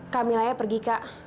kamilanya pergi kak